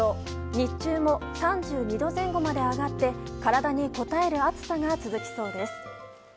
日中も３２度前後まで上がって体にこたえる暑さが続きそうです。